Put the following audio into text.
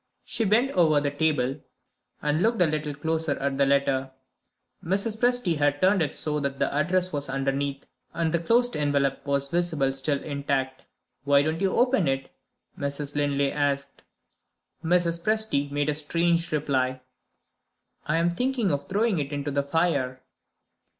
She bent over the table, and looked a little closer at the letter. Mrs. Presty had turned it so that the address was underneath; and the closed envelope was visible still intact. "Why don't you open it?" Mrs. Linley asked. Mrs. Presty made a strange reply. "I am thinking of throwing it into the fire."